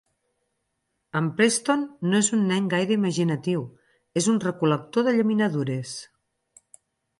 En Preston no és un nen gaire imaginatiu; és un recol·lector de llaminadures.